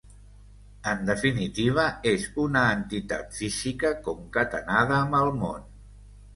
En definitiva, és una entitat física concatenada amb el món.